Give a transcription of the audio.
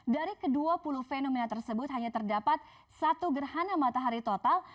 dari ke dua puluh fenomena tersebut hanya terdapat satu gerhana matahari total